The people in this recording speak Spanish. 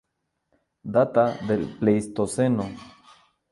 Data del Pleistoceno.